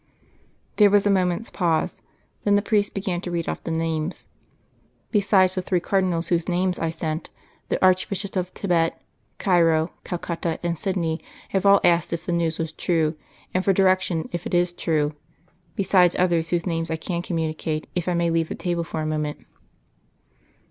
There was a moment's pause. Then the priest began to read off the names. "Besides the three Cardinals whose names I sent, the Archbishops of Thibet, Cairo, Calcutta and Sydney have all asked if the news was true, and for directions if it is true; besides others whose names I can communicate if I may leave the table for a moment.